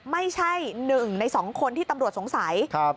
ไม่ใช่หนึ่งในสองคนที่ตำรวจสงสัย